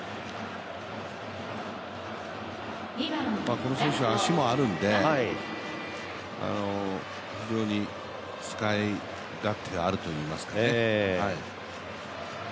この選手は足もあるんで、非常に使い勝手があるといいますか。